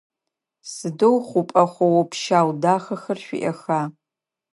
Сыдэу хъупӏэ хъоу-пщау дахэхэр шъуиӏэха?